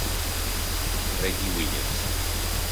Reggie Williams